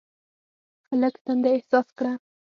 هلک تنده احساس کړه.